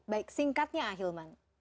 baik singkatnya ah hilman